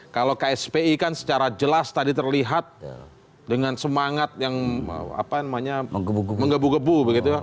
kalau kspi kan secara jelas tadi terlihat dengan semangat yang menggebu gebu begitu